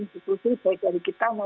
institusi baik dari kita